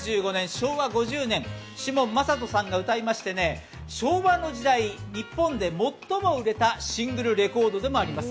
昭和５０年、子門真人さんが歌いまして昭和の時代、日本で最も売れたシングルレコードでもあります。